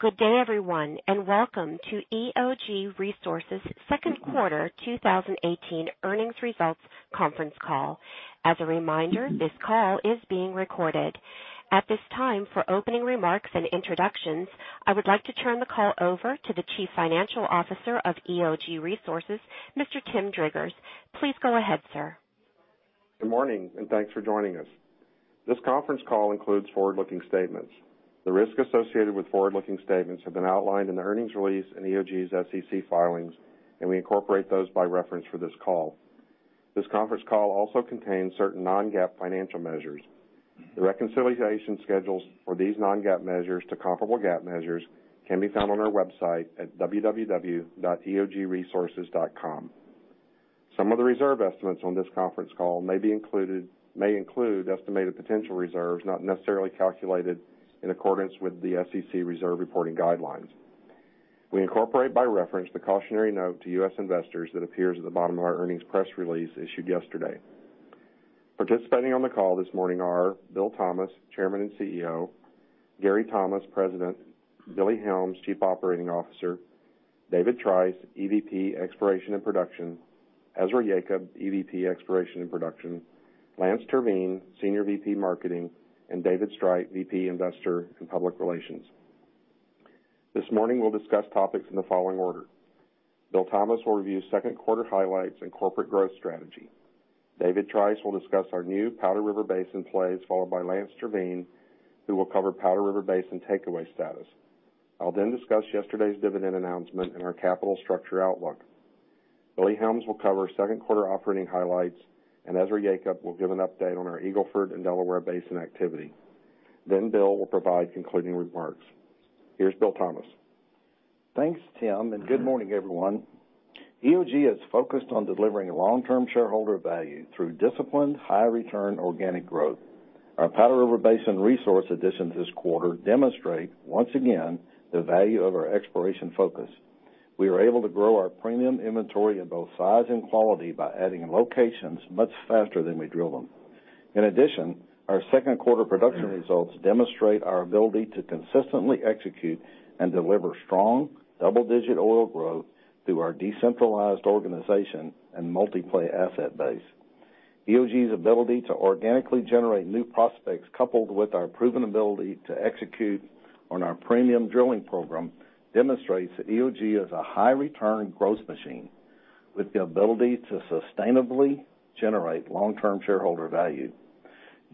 Good day, everyone, and welcome to EOG Resources' second quarter 2018 earnings results conference call. As a reminder, this call is being recorded. At this time, for opening remarks and introductions, I would like to turn the call over to the Chief Financial Officer of EOG Resources, Mr. Tim Driggers. Please go ahead, sir. Good morning. Thanks for joining us. This conference call includes forward-looking statements. The risks associated with forward-looking statements have been outlined in the earnings release in EOG's SEC filings, and we incorporate those by reference for this call. This conference call also contains certain non-GAAP financial measures. The reconciliation schedules for these non-GAAP measures to comparable GAAP measures can be found on our website at www.eogresources.com. Some of the reserve estimates on this conference call may include estimated potential reserves not necessarily calculated in accordance with the SEC reserve reporting guidelines. We incorporate by reference the cautionary note to U.S. investors that appears at the bottom of our earnings press release issued yesterday. Participating on the call this morning are Bill Thomas, Chairman and Chief Executive Officer, Gary Thomas, President, Billy Helms, Chief Operating Officer, David Trice, EVP, Exploration and Production, Ezra Yacob, EVP, Exploration and Production, Lance Terveen, Senior VP, Marketing, and David Streit, VP, Investor and Public Relations. This morning, we'll discuss topics in the following order. Bill Thomas will review second quarter highlights and corporate growth strategy. David Trice will discuss our new Powder River Basin plays, followed by Lance Terveen, who will cover Powder River Basin takeaway status. I'll then discuss yesterday's dividend announcement and our capital structure outlook. Billy Helms will cover second quarter operating highlights, and Ezra Yacob will give an update on our Eagle Ford and Delaware Basin activity. Bill will provide concluding remarks. Here's Bill Thomas. Thanks, Tim. Good morning, everyone. EOG is focused on delivering long-term shareholder value through disciplined, high return organic growth. Our Powder River Basin resource additions this quarter demonstrate, once again, the value of our exploration focus. We were able to grow our premium inventory in both size and quality by adding locations much faster than we drill them. In addition, our second quarter production results demonstrate our ability to consistently execute and deliver strong double-digit oil growth through our decentralized organization and multi-play asset base. EOG's ability to organically generate new prospects, coupled with our proven ability to execute on our premium drilling program, demonstrates that EOG is a high return growth machine with the ability to sustainably generate long-term shareholder value.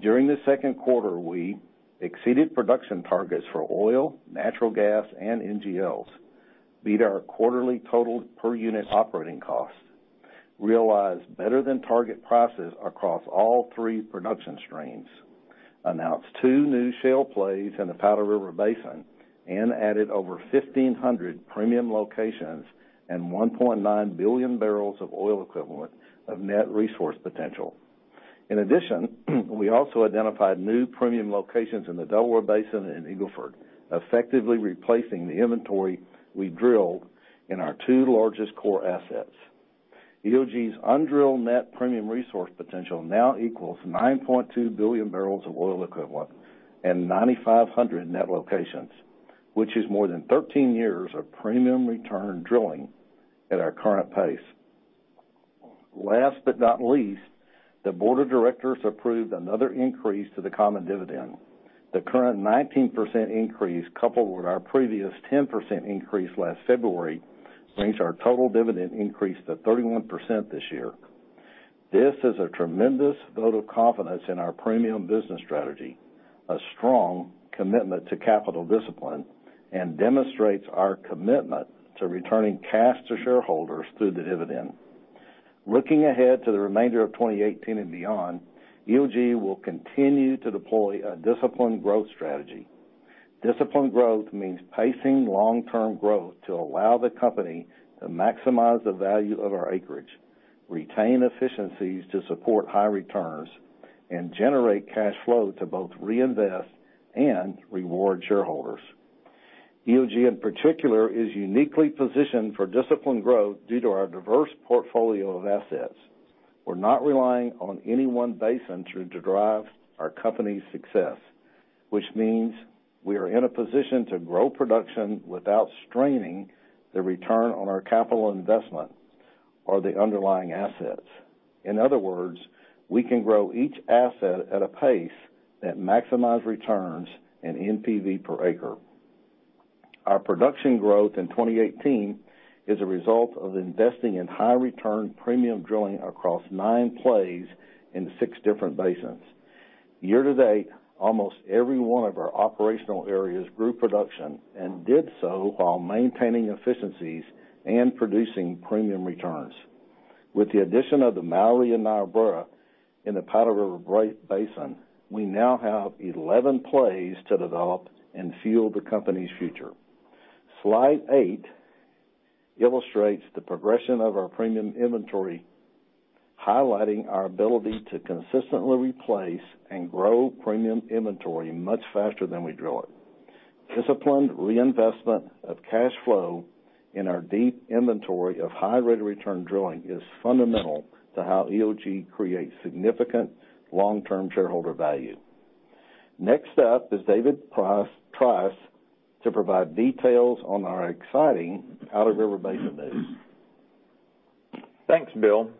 During the second quarter, we exceeded production targets for oil, natural gas, and NGLs, beat our quarterly total per unit operating costs, realized better than target prices across all three production streams, announced two new shale plays in the Powder River Basin, and added over 1,500 premium locations and 1.9 billion barrels of oil equivalent of net resource potential. In addition, we also identified new premium locations in the Delaware Basin and Eagle Ford, effectively replacing the inventory we drilled in our two largest core assets. EOG's undrilled net premium resource potential now equals 9.2 billion barrels of oil equivalent and 9,500 net locations, which is more than 13 years of premium return drilling at our current pace. Last but not least, the board of directors approved another increase to the common dividend. The current 19% increase, coupled with our previous 10% increase last February, brings our total dividend increase to 31% this year. This is a tremendous vote of confidence in our premium business strategy, a strong commitment to capital discipline, and demonstrates our commitment to returning cash to shareholders through the dividend. Looking ahead to the remainder of 2018 and beyond, EOG will continue to deploy a disciplined growth strategy. Disciplined growth means pacing long-term growth to allow the company to maximize the value of our acreage, retain efficiencies to support high returns, and generate cash flow to both reinvest and reward shareholders. EOG, in particular, is uniquely positioned for disciplined growth due to our diverse portfolio of assets. We're not relying on any one basin to drive our company's success, which means we are in a position to grow production without straining the return on our capital investment or the underlying assets. In other words, we can grow each asset at a pace that maximize returns and NPV per acre. Our production growth in 2018 is a result of investing in high return premium drilling across nine plays in six different basins. Year to date, almost every one of our operational areas grew production and did so while maintaining efficiencies and producing premium returns. With the addition of the Mowry and Niobrara in the Powder River Basin, we now have 11 plays to develop and fuel the company's future. Slide eight illustrates the progression of our premium inventory, highlighting our ability to consistently replace and grow premium inventory much faster than we drill it. Disciplined reinvestment of cash flow in our deep inventory of high rate of return drilling is fundamental to how EOG creates significant long-term shareholder value. Next up is David Trice to provide details on our exciting Powder River Basin news. Thanks, Bill.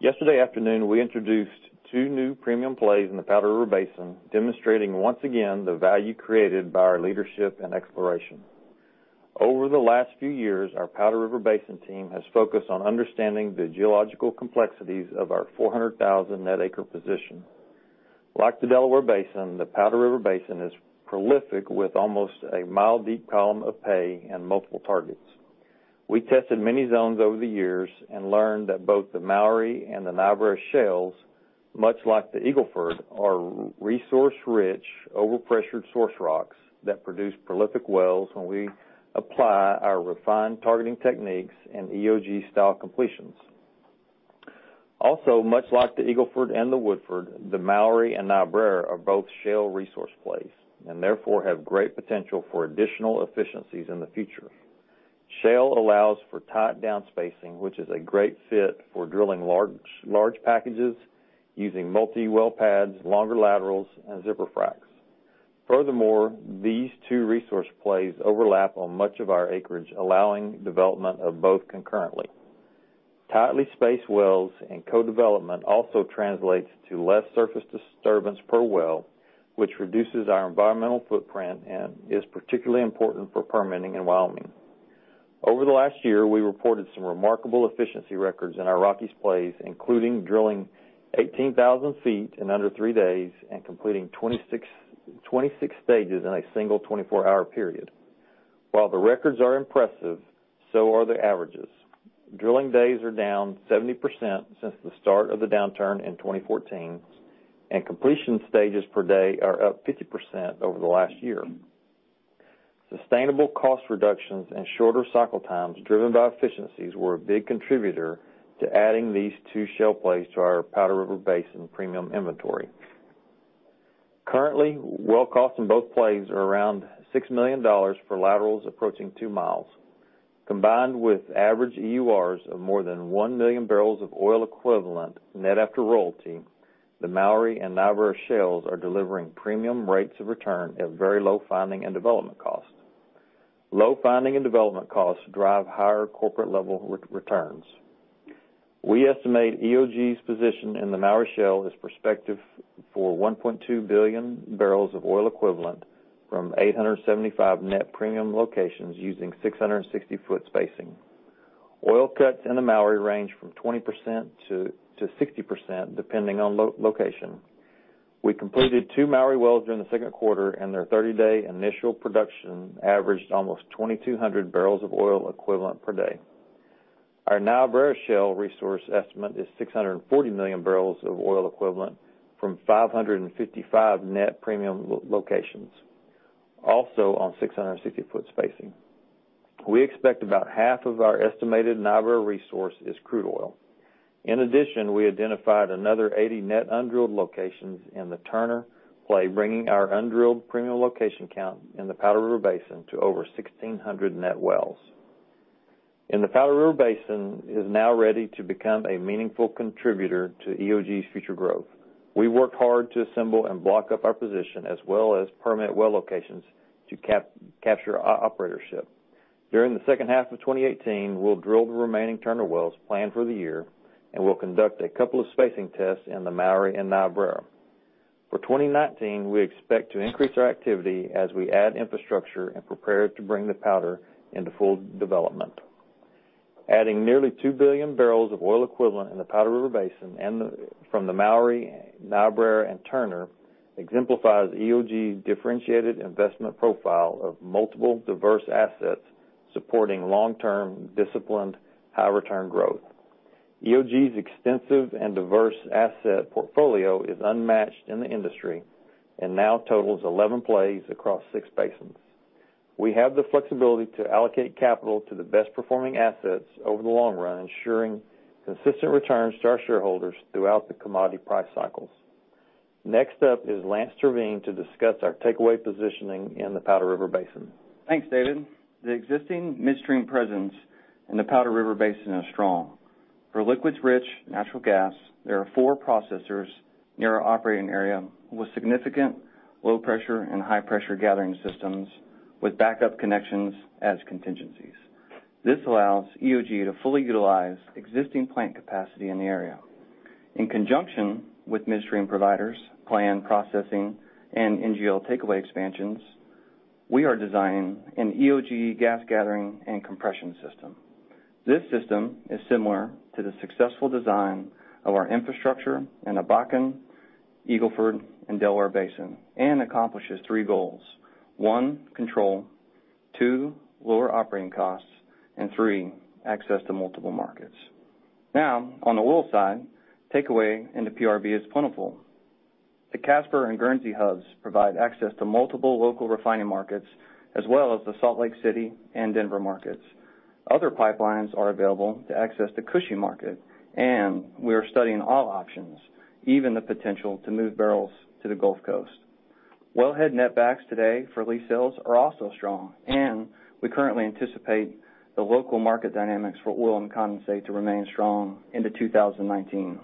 Yesterday afternoon, we introduced two new premium plays in the Powder River Basin, demonstrating once again the value created by our leadership and exploration. Over the last few years, our Powder River Basin team has focused on understanding the geological complexities of our 400,000 net acre position. Like the Delaware Basin, the Powder River Basin is prolific with almost a mile deep column of pay and multiple targets. We tested many zones over the years and learned that both the Mowry and the Niobrara shales, much like the Eagle Ford, are resource-rich, overpressured source rocks that produce prolific wells when we apply our refined targeting techniques and EOG style completions. Also, much like the Eagle Ford and the Woodford, the Mowry and Niobrara are both shale resource plays, and therefore have great potential for additional efficiencies in the future. Shale allows for tight down spacing, which is a great fit for drilling large packages using multi-well pads, longer laterals, and zipper fracs. Furthermore, these two resource plays overlap on much of our acreage, allowing development of both concurrently. Tightly spaced wells and co-development also translates to less surface disturbance per well, which reduces our environmental footprint and is particularly important for permitting in Wyoming. Over the last year, we reported some remarkable efficiency records in our Rockies plays, including drilling 18,000 feet in under three days and completing 26 stages in a single 24-hour period. While the records are impressive, so are the averages. Drilling days are down 70% since the start of the downturn in 2014, and completion stages per day are up 50% over the last year. Sustainable cost reductions and shorter cycle times driven by efficiencies were a big contributor to adding these two shale plays to our Powder River Basin premium inventory. Currently, well costs in both plays are around $6 million for laterals approaching two miles. Combined with average EURs of more than 1 million barrels of oil equivalent net after royalty, the Mowry and Niobrara shales are delivering premium rates of return at very low finding and development costs. Low finding and development costs drive higher corporate level returns. We estimate EOG's position in the Mowry shale is prospective for 1.2 billion barrels of oil equivalent from 875 net premium locations using 660-foot spacing. Oil cuts in the Mowry range from 20% to 60%, depending on location. We completed two Mowry wells during the second quarter, and their 30-day initial production averaged almost 2,200 barrels of oil equivalent per day. Our Niobrara shale resource estimate is 640 million barrels of oil equivalent from 555 net premium locations, also on 660-foot spacing. We expect about half of our estimated Niobrara resource is crude oil. In addition, we identified another 80 net undrilled locations in the Turner play, bringing our undrilled premium location count in the Powder River Basin to over 1,600 net wells. The Powder River Basin is now ready to become a meaningful contributor to EOG's future growth. We worked hard to assemble and block up our position as well as permanent well locations to capture our operatorship. During the second half of 2018, we will drill the remaining Turner wells planned for the year, and we will conduct a couple of spacing tests in the Mowry and Niobrara. For 2019, we expect to increase our activity as we add infrastructure and prepare to bring the Powder into full development. Adding nearly 2 billion barrels of oil equivalent in the Powder River Basin and from the Mowry, Niobrara, and Turner exemplifies EOG's differentiated investment profile of multiple diverse assets supporting long-term, disciplined, high-return growth. EOG's extensive and diverse asset portfolio is unmatched in the industry and now totals 11 plays across 6 basins. We have the flexibility to allocate capital to the best-performing assets over the long run, ensuring consistent returns to our shareholders throughout the commodity price cycles. Next up is Lance Terveen to discuss our takeaway positioning in the Powder River Basin. Thanks, David. The existing midstream presence in the Powder River Basin is strong. For liquids rich natural gas, there are 4 processors near our operating area with significant low-pressure and high-pressure gathering systems with backup connections as contingencies. This allows EOG to fully utilize existing plant capacity in the area. In conjunction with midstream providers, planned processing, and NGL takeaway expansions, we are designing an EOG gas gathering and compression system. This system is similar to the successful design of our infrastructure in the Bakken, Eagle Ford, and Delaware Basin, and accomplishes 3 goals. 1. Control. 2. Lower operating costs. 3. Access to multiple markets. On the oil side, takeaway into PRB is plentiful. The Casper and Guernsey hubs provide access to multiple local refining markets, as well as the Salt Lake City and Denver markets. Other pipelines are available to access the Cushing market. We are studying all options, even the potential to move barrels to the Gulf Coast. Well, head net backs today for lease sales are also strong. We currently anticipate the local market dynamics for oil and condensate to remain strong into 2019.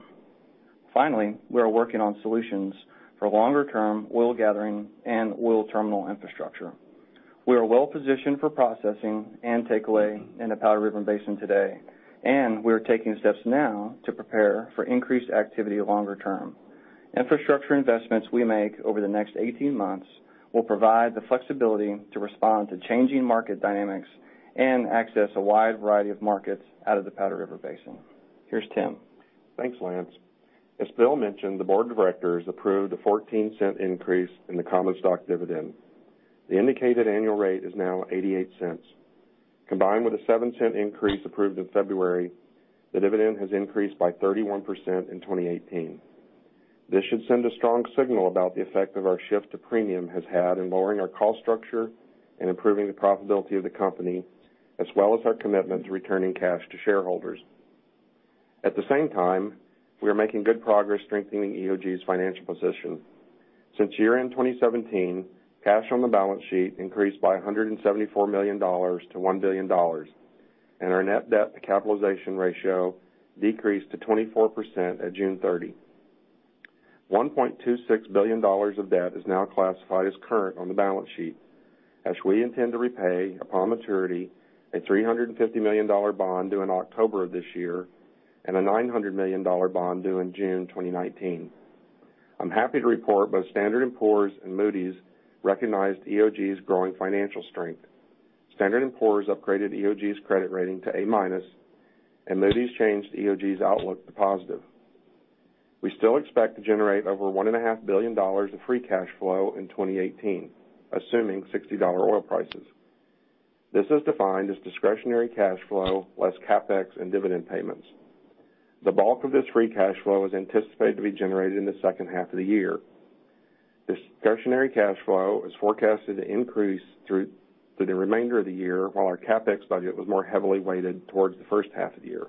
Finally, we are working on solutions for longer-term oil gathering and oil terminal infrastructure. We are well-positioned for processing and take away in the Powder River Basin today. We are taking steps now to prepare for increased activity longer term. Infrastructure investments we make over the next 18 months will provide the flexibility to respond to changing market dynamics and access a wide variety of markets out of the Powder River Basin. Here's Tim. Thanks, Lance. As Bill mentioned, the board of directors approved a $0.14 increase in the common stock dividend. The indicated annual rate is now $0.88. Combined with a $0.07 increase approved in February, the dividend has increased by 31% in 2018. This should send a strong signal about the effect of our shift to premium has had in lowering our cost structure and improving the profitability of the company, as well as our commitment to returning cash to shareholders. At the same time, we are making good progress strengthening EOG's financial position. Since year-end 2017, cash on the balance sheet increased by $174 million to $1 billion. Our net debt to capitalization ratio decreased to 24% at June 30. $1.26 billion of debt is now classified as current on the balance sheet, as we intend to repay upon maturity a $350 million bond due in October of this year and a $900 million bond due in June 2019. I'm happy to report both Standard & Poor's and Moody's recognized EOG's growing financial strength. Standard & Poor's upgraded EOG's credit rating to A minus, and Moody's changed EOG's outlook to positive. We still expect to generate over $1.5 billion of free cash flow in 2018, assuming $60 oil prices. This is defined as discretionary cash flow, less CapEx and dividend payments. The bulk of this free cash flow is anticipated to be generated in the second half of the year. Discretionary cash flow is forecasted to increase through the remainder of the year, while our CapEx budget was more heavily weighted towards the first half of the year.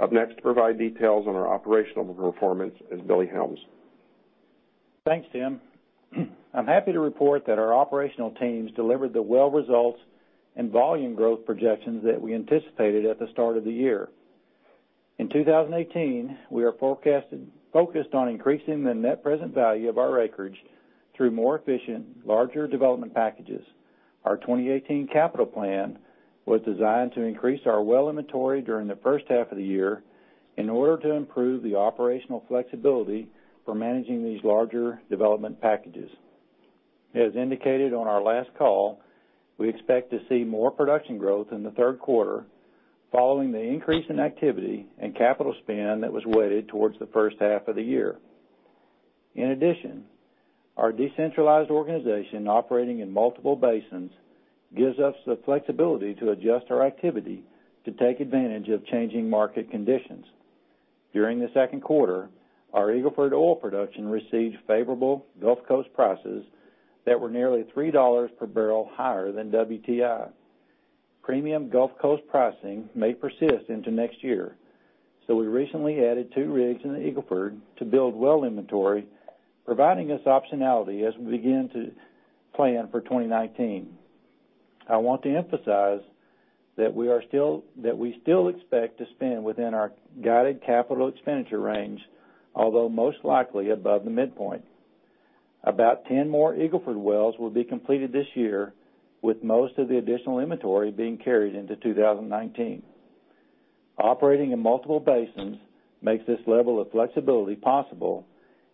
Up next to provide details on our operational performance is Billy Helms. Thanks, Tim. I'm happy to report that our operational teams delivered the well results and volume growth projections that we anticipated at the start of the year. In 2018, we are focused on increasing the net present value of our acreage through more efficient, larger development packages. Our 2018 capital plan was designed to increase our well inventory during the first half of the year in order to improve the operational flexibility for managing these larger development packages. As indicated on our last call, we expect to see more production growth in the third quarter, following the increase in activity and capital spend that was weighted towards the first half of the year. Our decentralized organization operating in multiple basins gives us the flexibility to adjust our activity to take advantage of changing market conditions. During the second quarter, our Eagle Ford oil production received favorable Gulf Coast prices that were nearly $3 per barrel higher than WTI. Premium Gulf Coast pricing may persist into next year. We recently added two rigs in the Eagle Ford to build well inventory, providing us optionality as we begin to plan for 2019. I want to emphasize that we still expect to spend within our guided capital expenditure range, although most likely above the midpoint. About 10 more Eagle Ford wells will be completed this year, with most of the additional inventory being carried into 2019. Operating in multiple basins makes this level of flexibility possible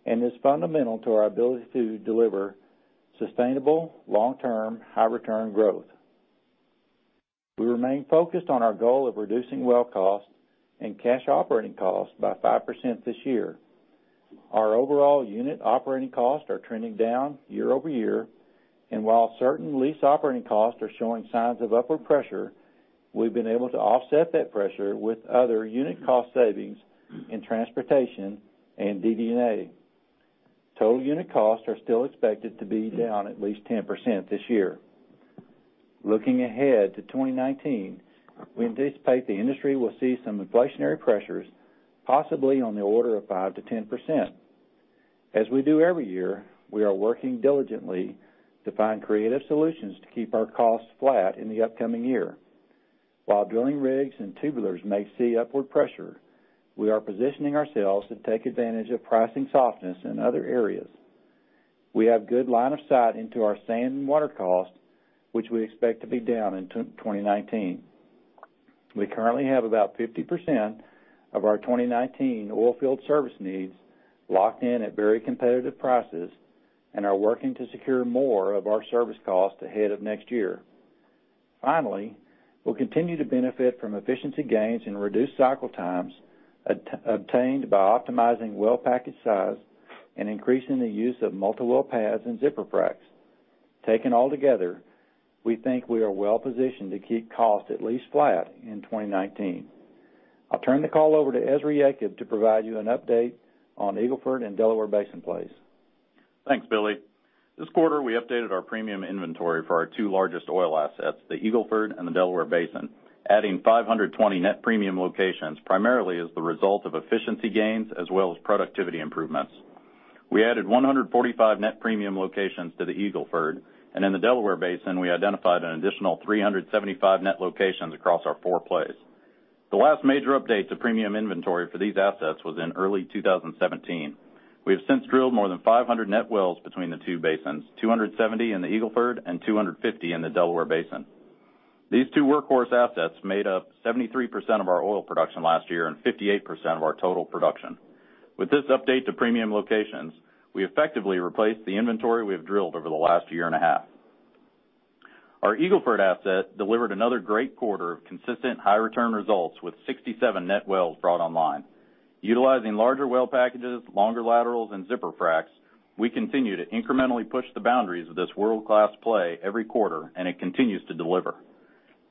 and is fundamental to our ability to deliver sustainable, long-term, high-return growth. We remain focused on our goal of reducing well cost and cash operating costs by 5% this year. Our overall unit operating costs are trending down year-over-year, while certain lease operating costs are showing signs of upward pressure, we've been able to offset that pressure with other unit cost savings in transportation and DD&A. Total unit costs are still expected to be down at least 10% this year. Looking ahead to 2019, we anticipate the industry will see some inflationary pressures, possibly on the order of 5%-10%. As we do every year, we are working diligently to find creative solutions to keep our costs flat in the upcoming year. While drilling rigs and tubulars may see upward pressure, we are positioning ourselves to take advantage of pricing softness in other areas. We have good line of sight into our sand and water cost, which we expect to be down in 2019. We currently have about 50% of our 2019 oil field service needs locked in at very competitive prices and are working to secure more of our service costs ahead of next year. We'll continue to benefit from efficiency gains and reduced cycle times obtained by optimizing well package size and increasing the use of multi-well pads and zipper fracs. Taken all together, we think we are well-positioned to keep costs at least flat in 2019. I'll turn the call over to Ezra Yacob to provide you an update on Eagle Ford and Delaware Basin plays. Thanks, Billy. This quarter, we updated our premium inventory for our two largest oil assets, the Eagle Ford and the Delaware Basin, adding 520 net premium locations, primarily as the result of efficiency gains as well as productivity improvements. We added 145 net premium locations to the Eagle Ford. In the Delaware Basin, we identified an additional 375 net locations across our four plays. The last major update to premium inventory for these assets was in early 2017. We have since drilled more than 500 net wells between the two basins, 270 in the Eagle Ford and 250 in the Delaware Basin. These two workhorse assets made up 73% of our oil production last year and 58% of our total production. With this update to premium locations, we effectively replaced the inventory we have drilled over the last year and a half. Our Eagle Ford asset delivered another great quarter of consistent high-return results with 67 net wells brought online. Utilizing larger well packages, longer laterals, and zipper fracs, we continue to incrementally push the boundaries of this world-class play every quarter, and it continues to deliver.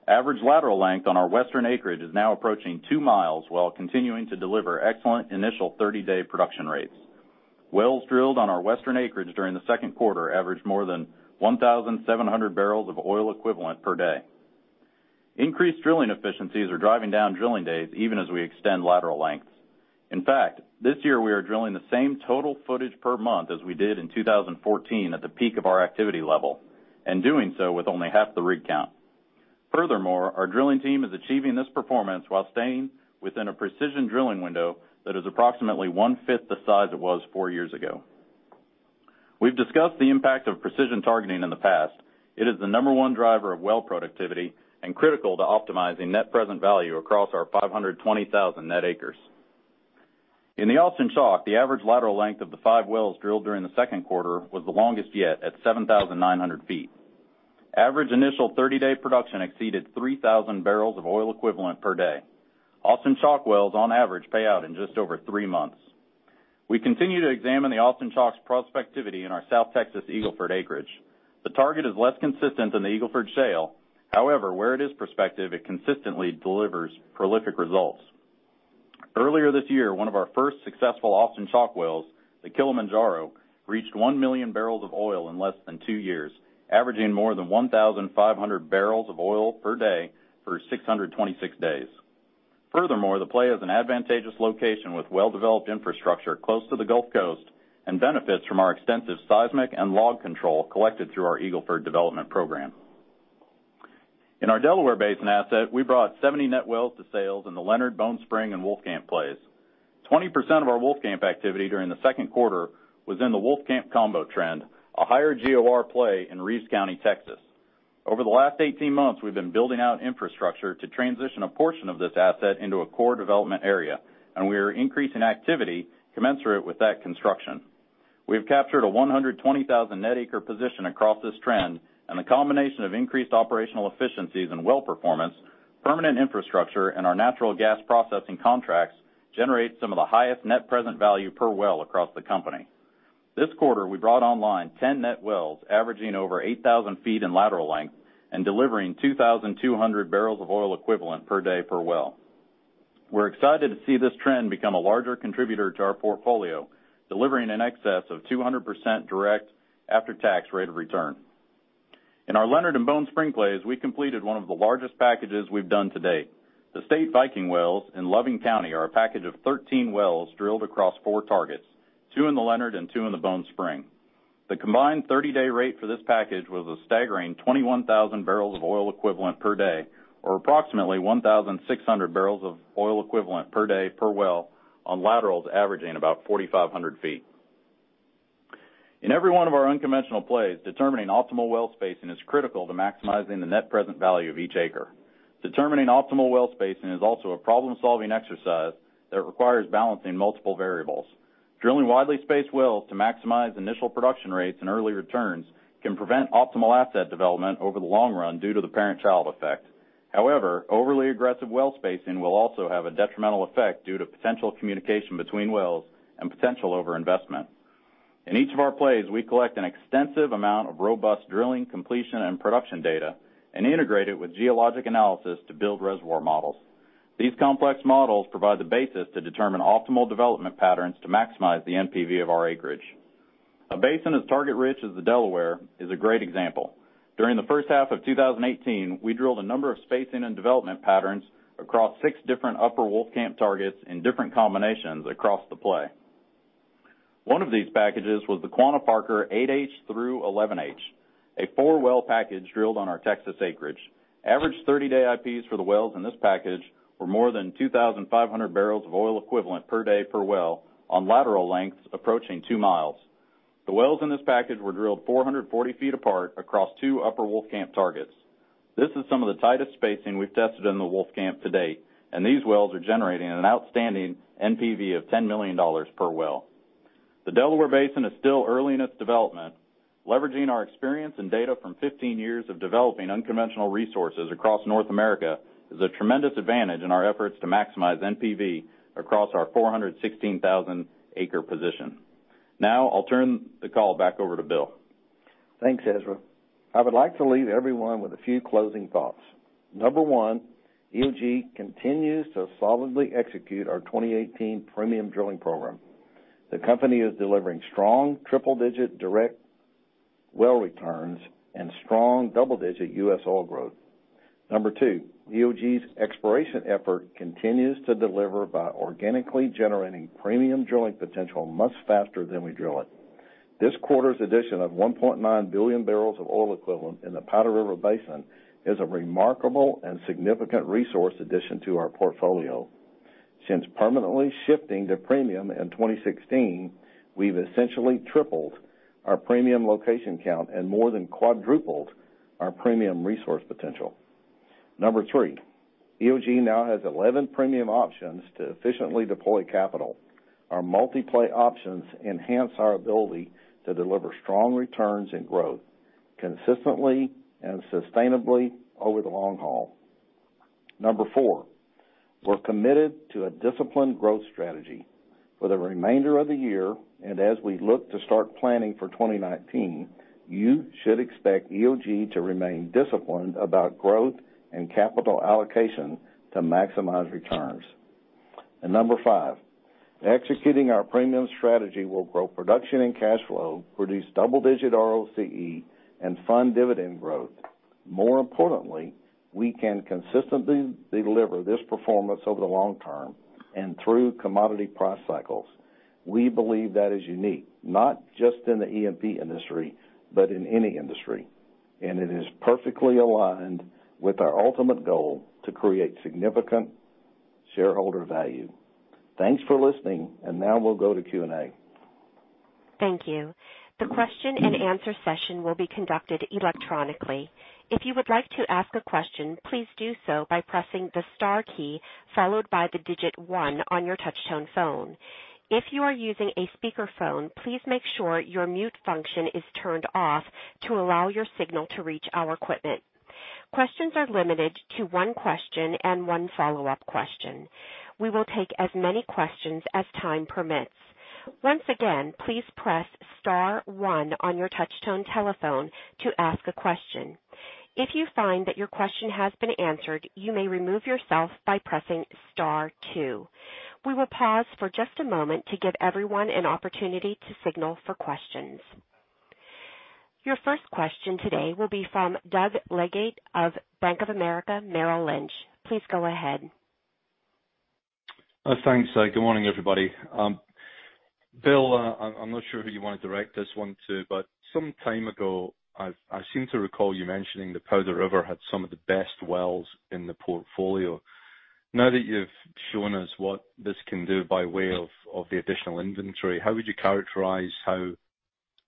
Average lateral length on our western acreage is now approaching two miles while continuing to deliver excellent initial 30-day production rates. Wells drilled on our western acreage during the second quarter averaged more than 1,700 barrels of oil equivalent per day. Increased drilling efficiencies are driving down drilling days even as we extend lateral lengths. In fact, this year we are drilling the same total footage per month as we did in 2014 at the peak of our activity level, and doing so with only half the rig count. Furthermore, our drilling team is achieving this performance while staying within a precision drilling window that is approximately one-fifth the size it was four years ago. We've discussed the impact of precision targeting in the past. It is the number one driver of well productivity and critical to optimizing net present value across our 520,000 net acres. In the Austin Chalk, the average lateral length of the five wells drilled during the second quarter was the longest yet at 7,900 feet. Average initial 30-day production exceeded 3,000 barrels of oil equivalent per day. Austin Chalk wells on average pay out in just over three months. We continue to examine the Austin Chalk's prospectivity in our South Texas Eagle Ford acreage. The target is less consistent than the Eagle Ford Shale. However, where it is prospective, it consistently delivers prolific results. Earlier this year, one of our first successful Austin Chalk wells, the Kilimanjaro, reached 1 million barrels of oil in less than two years, averaging more than 1,500 barrels of oil per day for 626 days. Furthermore, the play is an advantageous location with well-developed infrastructure close to the Gulf Coast and benefits from our extensive seismic and log control collected through our Eagle Ford development program. In our Delaware Basin asset, we brought 70 net wells to sales in the Leonard Bone Spring and Wolfcamp plays. 20% of our Wolfcamp activity during the second quarter was in the Wolfcamp Combo Trend, a higher GOR play in Reeves County, Texas. Over the last 18 months, we've been building out infrastructure to transition a portion of this asset into a core development area, and we are increasing activity commensurate with that construction. We have captured a 120,000 net acre position across this trend and the combination of increased operational efficiencies and well performance, permanent infrastructure, and our natural gas processing contracts generate some of the highest net present value per well across the company. This quarter, we brought online 10 net wells averaging over 8,000 feet in lateral length and delivering 2,200 barrels of oil equivalent per day per well. We're excited to see this trend become a larger contributor to our portfolio, delivering in excess of 200% direct after-tax rate of return. In our Leonard and Bone Spring plays, we completed one of the largest packages we've done to date. The State Viking wells in Loving County are a package of 13 wells drilled across four targets, two in the Leonard and two in the Bone Spring. The combined 30-day rate for this package was a staggering 21,000 barrels of oil equivalent per day, or approximately 1,600 barrels of oil equivalent per day per well on laterals averaging about 4,500 feet. In every one of our unconventional plays, determining optimal well spacing is critical to maximizing the net present value of each acre. Determining optimal well spacing is also a problem-solving exercise that requires balancing multiple variables. Drilling widely spaced wells to maximize initial production rates and early returns can prevent optimal asset development over the long run due to the parent-child effect. However, overly aggressive well spacing will also have a detrimental effect due to potential communication between wells and potential overinvestment. In each of our plays, we collect an extensive amount of robust drilling completion and production data and integrate it with geologic analysis to build reservoir models. These complex models provide the basis to determine optimal development patterns to maximize the NPV of our acreage. A basin as target-rich as the Delaware is a great example. During the first half of 2018, we drilled a number of spacing and development patterns across six different Upper Wolfcamp targets in different combinations across the play. One of these packages was the Quanah Parker 8H through 11H, a four-well package drilled on our Texas acreage. Average 30-day IPs for the wells in this package were more than 2,500 barrels of oil equivalent per day per well on lateral lengths approaching two miles. The wells in this package were drilled 440 feet apart across two Upper Wolfcamp targets. This is some of the tightest spacing we've tested in the Wolfcamp to date, and these wells are generating an outstanding NPV of $10 million per well. The Delaware Basin is still early in its development. Leveraging our experience and data from 15 years of developing unconventional resources across North America is a tremendous advantage in our efforts to maximize NPV across our 416,000-acre position. I'll turn the call back over to Bill. Thanks, Ezra. I would like to leave everyone with a few closing thoughts. Number one, EOG continues to solidly execute our 2018 premium drilling program. The company is delivering strong triple-digit direct Well returns and strong double-digit U.S. oil growth. Number two, EOG's exploration effort continues to deliver by organically generating premium drilling potential much faster than we drill it. This quarter's addition of 1.9 billion barrels of oil equivalent in the Powder River Basin is a remarkable and significant resource addition to our portfolio. Since permanently shifting to premium in 2016, we've essentially tripled our premium location count and more than quadrupled our premium resource potential. Number three, EOG now has 11 premium options to efficiently deploy capital. Our multi-play options enhance our ability to deliver strong returns and growth consistently and sustainably over the long haul. Number four, we're committed to a disciplined growth strategy. For the remainder of the year, and as we look to start planning for 2019, you should expect EOG to remain disciplined about growth and capital allocation to maximize returns. Number five, executing our premium strategy will grow production and cash flow, produce double-digit ROCE, and fund dividend growth. More importantly, we can consistently deliver this performance over the long term and through commodity price cycles. We believe that is unique, not just in the E&P industry, but in any industry, and it is perfectly aligned with our ultimate goal to create significant shareholder value. Thanks for listening, now we'll go to Q&A. Thank you. The question and answer session will be conducted electronically. If you would like to ask a question, please do so by pressing the star key followed by the 1 on your touch-tone phone. If you are using a speakerphone, please make sure your mute function is turned off to allow your signal to reach our equipment. Questions are limited to 1 question and 1 follow-up question. We will take as many questions as time permits. Once again, please press star 1 on your touch-tone telephone to ask a question. If you find that your question has been answered, you may remove yourself by pressing star 2. We will pause for just a moment to give everyone an opportunity to signal for questions. Your first question today will be from Doug Leggate of Bank of America Merrill Lynch. Please go ahead. Thanks. Good morning, everybody. Bill, I'm not sure who you want to direct this 1 to, but some time ago, I seem to recall you mentioning the Powder River had some of the best wells in the portfolio. Now that you've shown us what this can do by way of the additional inventory, how would you characterize how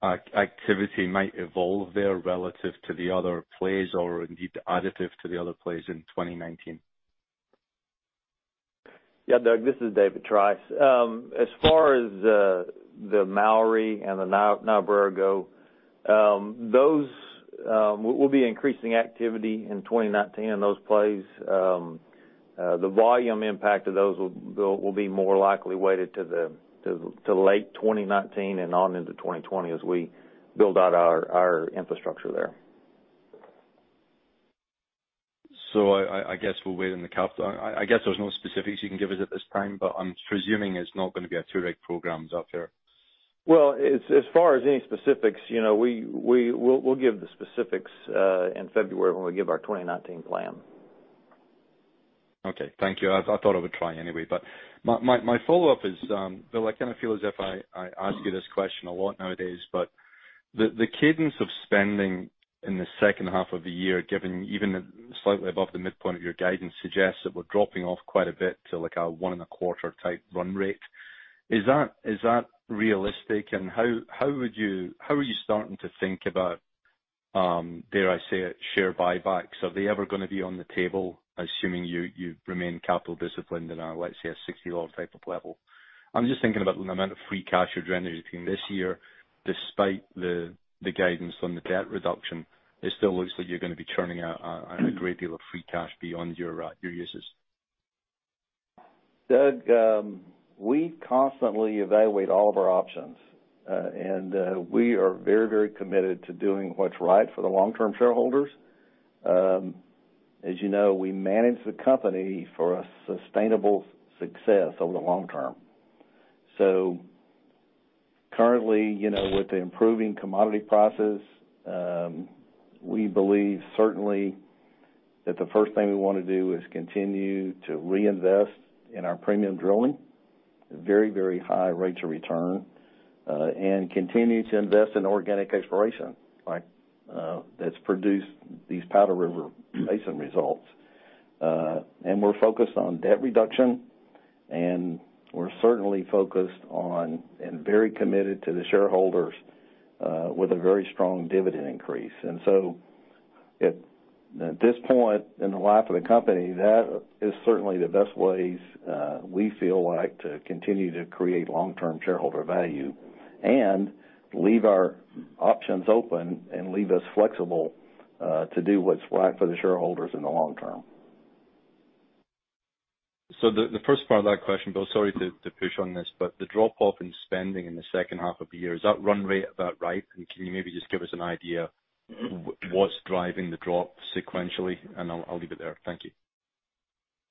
activity might evolve there relative to the other plays or indeed additive to the other plays in 2019? Yeah, Doug, this is David Trice. As far as the Mowry and the Niobrara go, we'll be increasing activity in 2019 in those plays. The volume impact of those will be more likely weighted to late 2019 and on into 2020 as we build out our infrastructure there. I guess we'll wait on the CapEx. I guess there's no specifics you can give us at this time, but I'm presuming it's not going to be a 2-rig program out there. Well, as far as any specifics, we'll give the specifics in February when we give our 2019 plan. Okay. Thank you. I thought I would try anyway. My follow-up is, Bill, I feel as if I ask you this question a lot nowadays, but the cadence of spending in the second half of the year, given even slightly above the midpoint of your guidance, suggests that we're dropping off quite a bit to like a one and a quarter type run rate. Is that realistic, and how are you starting to think about, dare I say it, share buybacks? Are they ever going to be on the table, assuming you remain capital disciplined and are, let's say, a 60 oil type of level? I'm just thinking about the amount of free cash you're generating between this year, despite the guidance on the debt reduction. It still looks like you're going to be churning out a great deal of free cash beyond your uses. Doug, we constantly evaluate all of our options. We are very committed to doing what's right for the long-term shareholders. As you know, we manage the company for a sustainable success over the long term. Currently, with the improving commodity prices, we believe certainly that the first thing we want to do is continue to reinvest in our premium drilling, very high rates of return, and continue to invest in organic exploration that's produced these Powder River Basin results. We're focused on debt reduction, and we're certainly focused on and very committed to the shareholders with a very strong dividend increase. At this point in the life of the company, that is certainly the best ways we feel like to continue to create long-term shareholder value and leave our options open and leave us flexible to do what's right for the shareholders in the long term. The first part of that question, Bill, sorry to push on this, but the drop-off in spending in the second half of the year, is that run rate about right? Can you maybe just give us an idea what's driving the drop sequentially, and I'll leave it there. Thank you.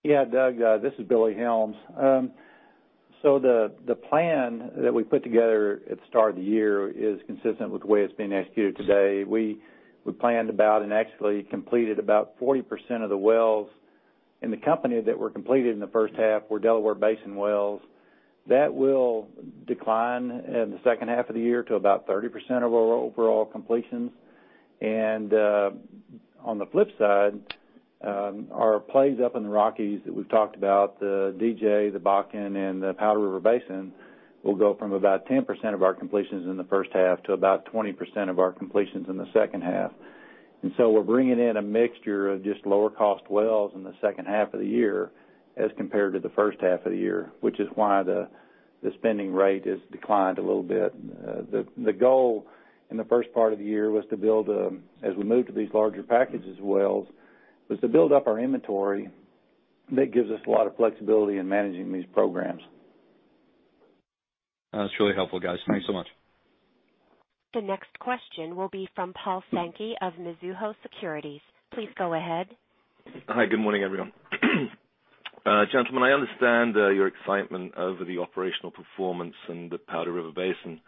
Yeah, Doug, this is Billy Helms. The plan that we put together at the start of the year is consistent with the way it's being executed today. We planned about and actually completed about 40% of the wells in the company that were completed in the first half were Delaware Basin wells. That will decline in the second half of the year to about 30% of our overall completions. On the flip side, our plays up in the Rockies that we've talked about, the DJ, the Bakken, and the Powder River Basin, will go from about 10% of our completions in the first half to about 20% of our completions in the second half. We're bringing in a mixture of just lower-cost wells in the second half of the year as compared to the first half of the year, which is why the spending rate has declined a little bit. The goal in the first part of the year was to build, as we move to these larger packages wells, was to build up our inventory. That gives us a lot of flexibility in managing these programs. That's really helpful, guys. Thanks so much. The next question will be from Paul Sankey of Mizuho Securities. Please go ahead. Hi, good morning, everyone. Gentlemen, I understand your excitement over the operational performance in the Powder River Basin.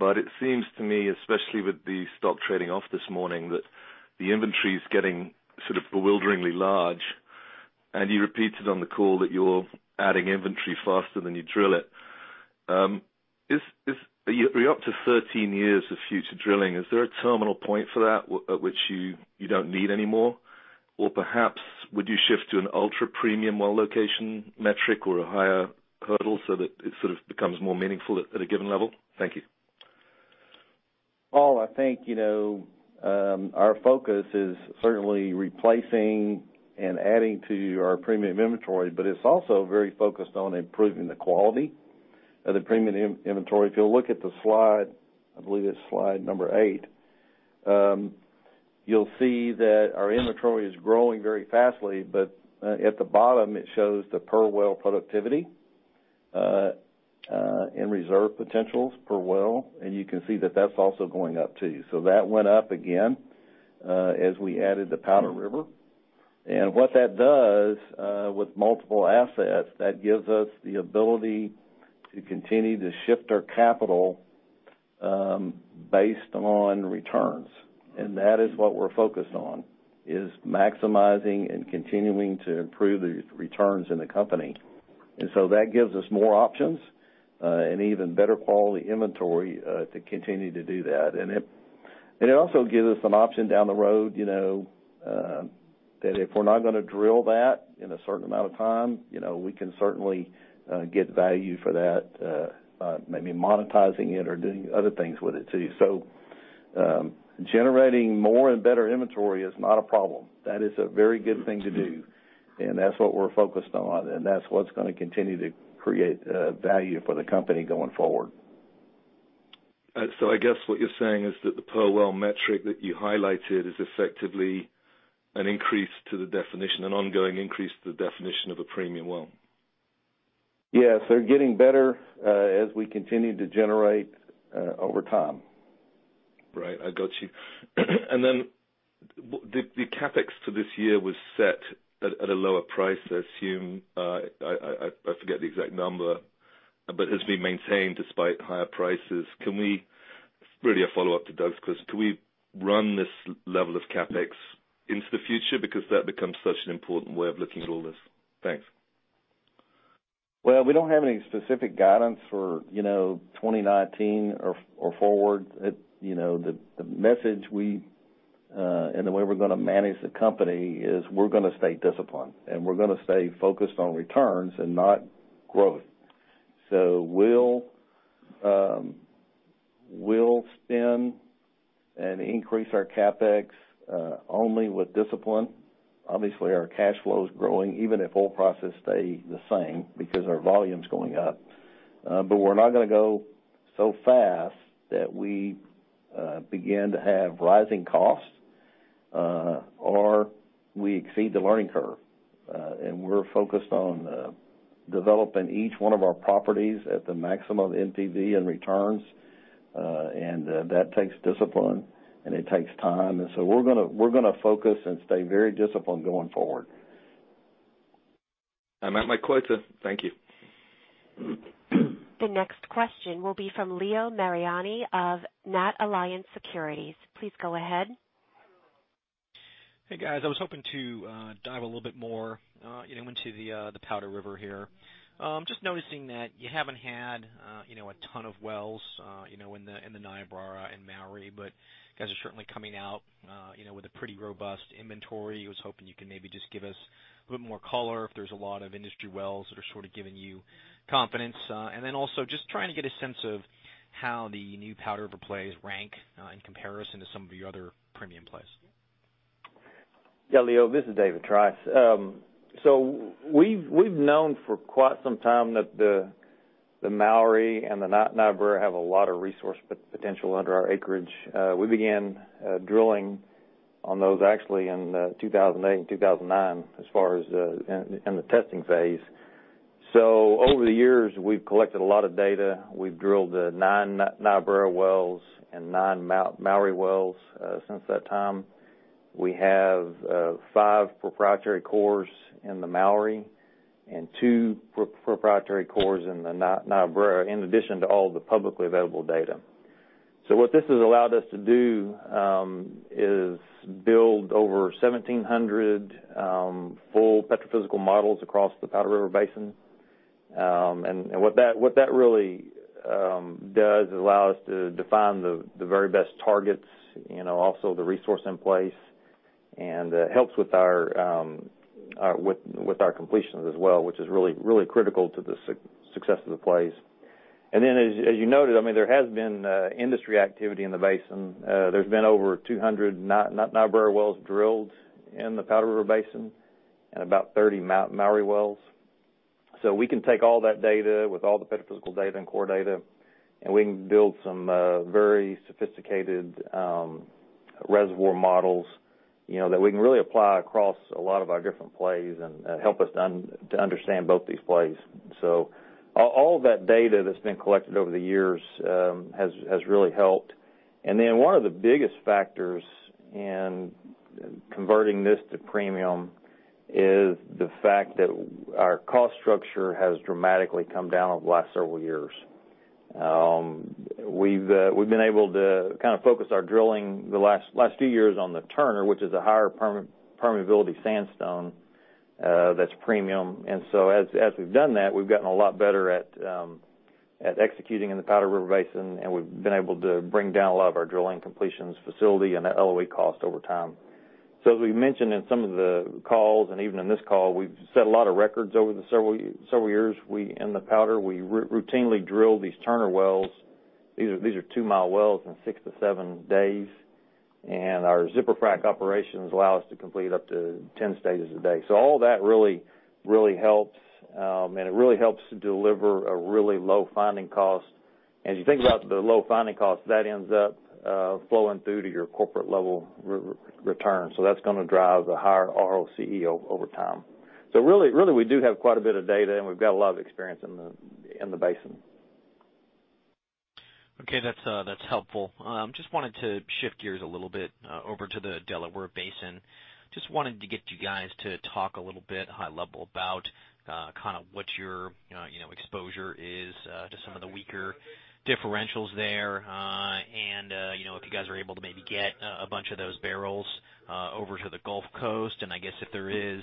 It seems to me, especially with the stock trading off this morning, that the inventory's getting sort of bewilderingly large. You repeated on the call that you're adding inventory faster than you drill it. You're up to 13 years of future drilling. Is there a terminal point for that at which you don't need any more? Or perhaps, would you shift to an ultra-premium well location metric or a higher hurdle so that it sort of becomes more meaningful at a given level? Thank you. Paul, I think, our focus is certainly replacing and adding to our premium inventory. It's also very focused on improving the quality of the premium inventory. If you'll look at the slide, I believe it's slide number eight, you'll see that our inventory is growing very fastly. At the bottom, it shows the per well productivity, reserve potentials per well. You can see that that's also going up, too. That went up again, as we added the Powder River. What that does, with multiple assets, that gives us the ability to continue to shift our capital based on returns. That is what we're focused on, is maximizing and continuing to improve the returns in the company. That gives us more options, and even better quality inventory to continue to do that. It also gives us an option down the road, that if we're not going to drill that in a certain amount of time, we can certainly get value for that, maybe monetizing it or doing other things with it, too. Generating more and better inventory is not a problem. That is a very good thing to do. That's what we're focused on. That's what's going to continue to create value for the company going forward. I guess what you're saying is that the per well metric that you highlighted is effectively an increase to the definition, an ongoing increase to the definition of a premium well. Yes. They're getting better as we continue to generate over time. Right. I got you. The CapEx to this year was set at a lower price, I assume. I forget the exact number, but it's been maintained despite higher prices. This is really a follow-up to Doug's question. Can we run this level of CapEx into the future? That becomes such an important way of looking at all this. Thanks. Well, we don't have any specific guidance for 2019 or forward. The message we, and the way we're going to manage the company is we're going to stay disciplined, and we're going to stay focused on returns and not growth. We'll spin and increase our CapEx, only with discipline. Obviously, our cash flow's growing, even if oil prices stay the same because our volume's going up. We're not going to go so fast that we begin to have rising costs, or we exceed the learning curve. We're focused on developing each one of our properties at the maximum NPV in returns. That takes discipline, and it takes time, we're going to focus and stay very disciplined going forward. I'm at my quota. Thank you. The next question will be from Leo Mariani of NatAlliance Securities. Please go ahead. Hey, guys. I was hoping to dive a little bit more into the Powder River here. Just noticing that you haven't had a ton of wells in the Niobrara and Mowry, but you guys are certainly coming out with a pretty robust inventory. I was hoping you could maybe just give us a bit more color if there's a lot of industry wells that are sort of giving you confidence. Then also just trying to get a sense of how the new Powder River plays rank in comparison to some of your other premium plays. Yeah, Leo, this is David Trice. We've known for quite some time that the Mowry and the Niobrara have a lot of resource potential under our acreage. We began drilling on those actually in 2008 and 2009 as far as in the testing phase. Over the years, we've collected a lot of data. We've drilled nine Niobrara wells and nine Mowry wells since that time. We have five proprietary cores in the Mowry and two proprietary cores in the Niobrara, in addition to all the publicly available data. What this has allowed us to do is build over 1,700 full petrophysical models across the Powder River Basin. And what that really does is allow us to define the very best targets, also the resource in place, and helps with our completions as well, which is really critical to the success of the plays. Then, as you noted, there has been industry activity in the basin. There's been over 200 Niobrara wells drilled in the Powder River Basin and about 30 Mowry wells. We can take all that data with all the petrophysical data and core data, and we can build some very sophisticated reservoir models that we can really apply across a lot of our different plays and help us to understand both these plays. All that data that's been collected over the years has really helped. Then one of the biggest factors in converting this to premium is the fact that our cost structure has dramatically come down over the last several years. We've been able to focus our drilling the last few years on the Turner, which is a higher permeability sandstone that's premium. And as we've done that, we've gotten a lot better at executing in the Powder River Basin, and we've been able to bring down a lot of our drilling completions facility and that LOE cost over time. As we've mentioned in some of the calls, and even in this call, we've set a lot of records over the several years. We, in the Powder, we routinely drill these Turner wells. These are two-mile wells in 6 to 7 days, and our zipper frack operations allow us to complete up to 10 stages a day. All that really helps, and it really helps to deliver a really low finding cost. As you think about the low finding cost, that ends up flowing through to your corporate level return. That's going to drive the higher ROCE over time. Really we do have quite a bit of data, and we've got a lot of experience in the basin. Okay. That's helpful. Wanted to shift gears a little bit over to the Delaware Basin. Wanted to get you guys to talk a little bit high level about what your exposure is to some of the weaker differentials there. And if you guys are able to maybe get a bunch of those barrels over to the Gulf Coast, and I guess if there is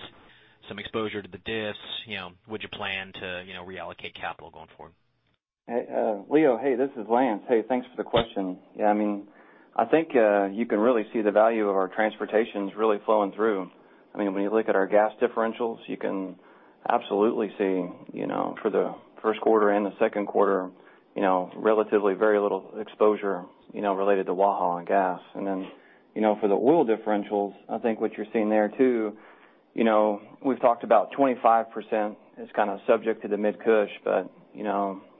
some exposure to the diffs, would you plan to reallocate capital going forward? Leo Mariani, this is Lance Terveen. Thanks for the question. I think you can really see the value of our transportations really flowing through. When you look at our gas differentials, you can absolutely see, for the first quarter and the second quarter, relatively very little exposure related to WAHA on gas. For the oil differentials, I think what you're seeing there, too, we've talked about 25% is subject to the Mid-Cush.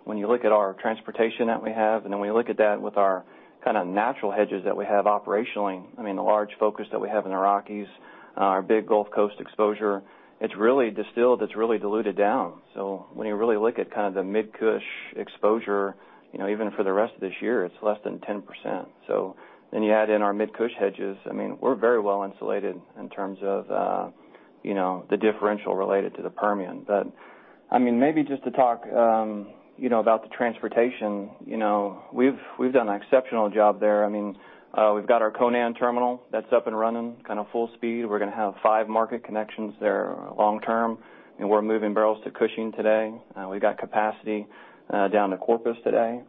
When you look at our transportation that we have, when you look at that with our natural hedges that we have operationally, the large focus that we have in the Rockies, our big Gulf Coast exposure, it's really distilled, it's really diluted down. When you really look at the Mid-Cush exposure, even for the rest of this year, it's less than 10%. You add in our Mid-Cush hedges, we're very well insulated in terms of the differential related to the Permian. Maybe just to talk about the transportation, we've done an exceptional job there. We've got our Conan Terminal that's up and running full speed. We're going to have five market connections there long term. We're moving barrels to Cushing today. We've got capacity down to Corpus today.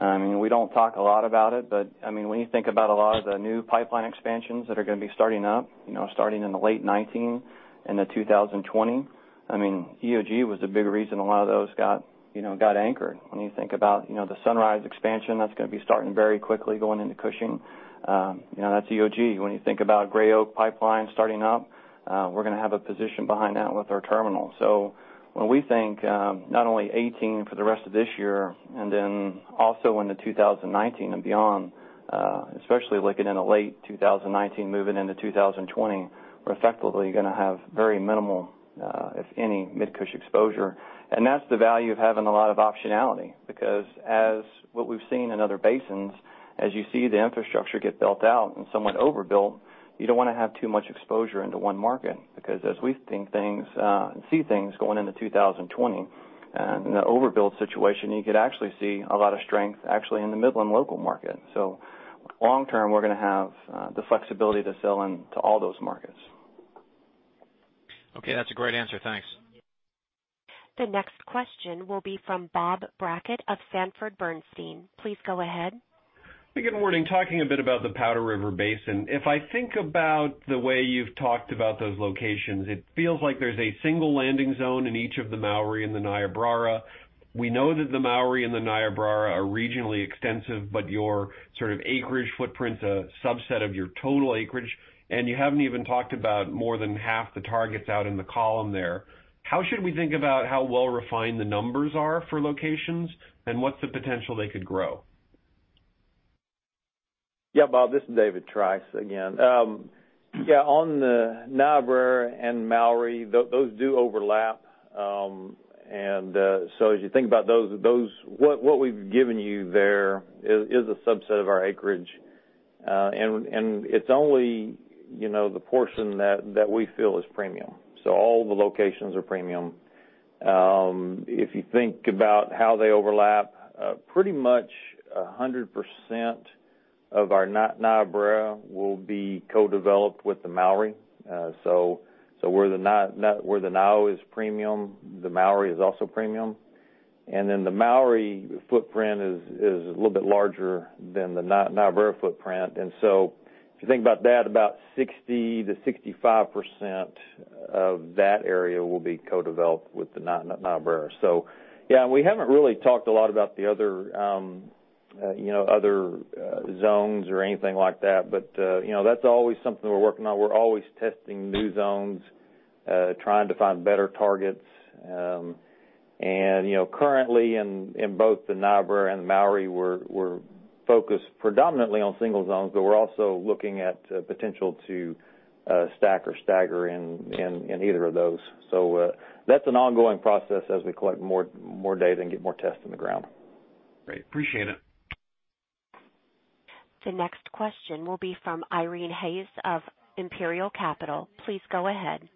We don't talk a lot about it. When you think about a lot of the new pipeline expansions that are going to be starting up, starting in the late 2019 and 2020, EOG was a big reason a lot of those got anchored. When you think about the Sunrise Expansion Program, that's going to be starting very quickly going into Cushing. That's EOG. When you think about Gray Oak Pipeline starting up, we're going to have a position behind that with our terminal. When we think not only 2018 for the rest of this year, also into 2019 and beyond, especially looking in the late 2019 moving into 2020, we're effectively going to have very minimal, if any, Mid-Cush exposure. That's the value of having a lot of optionality, because as what we've seen in other basins, as you see the infrastructure get built out and somewhat overbuilt, you don't want to have too much exposure into one market. As we think things, see things going into 2020, in the overbuilt situation, you could actually see a lot of strength actually in the Midland local market. Long term, we're going to have the flexibility to sell into all those markets. Okay. That's a great answer. Thanks. The next question will be from Bob Brackett of Sanford Bernstein. Please go ahead. Good morning. Talking a bit about the Powder River Basin, if I think about the way you've talked about those locations, it feels like there's a single landing zone in each of the Mowry and the Niobrara. We know that the Mowry and the Niobrara are regionally extensive, but your acreage footprint's a subset of your total acreage, and you haven't even talked about more than half the targets out in the column there. How should we think about how well refined the numbers are for locations, and what's the potential they could grow? Yeah, Bob, this is David Trice again. Yeah, on the Niobrara and Mowry, those do overlap. As you think about those, what we've given you there is a subset of our acreage. It's only the portion that we feel is premium. All the locations are premium. If you think about how they overlap, pretty much 100% of our Niobrara will be co-developed with the Mowry. Where the Nio is premium, the Mowry is also premium. The Mowry footprint is a little bit larger than the Niobrara footprint. If you think about that, about 60%-65% of that area will be co-developed with the Niobrara. Yeah, we haven't really talked a lot about the other zones or anything like that. That's always something we're working on. We're always testing new zones, trying to find better targets. Currently in both the Niobrara and the Mowry, we're focused predominantly on single zones, but we're also looking at potential to stack or stagger in either of those. That's an ongoing process as we collect more data and get more tests in the ground. Great. Appreciate it. The next question will be from Irene Haas of Imperial Capital. Please go ahead.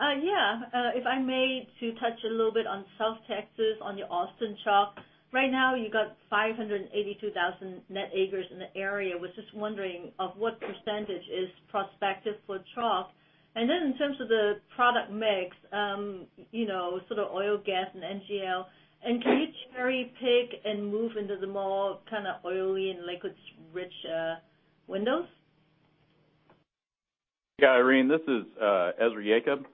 Yeah. If I may to touch a little bit on South Texas, on the Austin Chalk. Right now you got 582,000 net acres in the area. Was just wondering of what percentage is prospective for Chalk. In terms of the product mix, sort of oil, gas, and NGL, can you cherry pick and move into the more kind of oily and liquids-rich windows? Yeah, Irene, this is Ezra Yacob.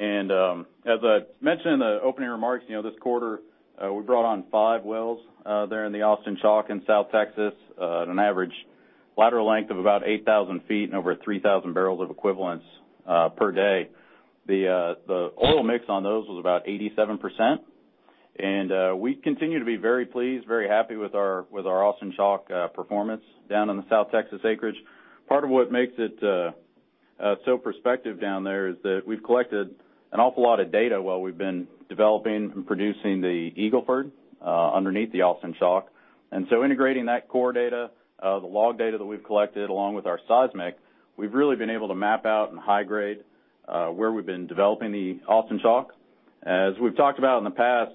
As I mentioned in the opening remarks, this quarter, we brought on five wells there in the Austin Chalk in South Texas, at an average lateral length of about 8,000 feet and over 3,000 barrels of equivalents per day. The oil mix on those was about 87%. We continue to be very pleased, very happy with our Austin Chalk performance down in the South Texas acreage. Part of what makes it so prospective down there is that we've collected an awful lot of data while we've been developing and producing the Eagle Ford underneath the Austin Chalk. Integrating that core data, the log data that we've collected, along with our seismic, we've really been able to map out and high grade where we've been developing the Austin Chalk. As we've talked about in the past,